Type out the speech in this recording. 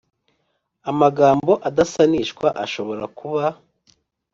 amagambo adasanishwa ashobora kuba